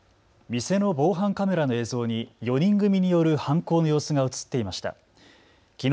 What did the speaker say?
店の防犯カメラの映像に４人組による犯行の様子が写っていました。